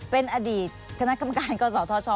เป็นอดีตคณะคำการเกาะสอทช